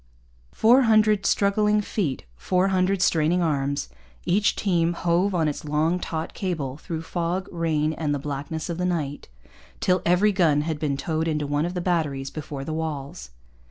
Four hundred struggling feet, four hundred straining arms each team hove on its long, taut cable through fog, rain, and the blackness of the night, till every gun had been towed into one of the batteries before the walls.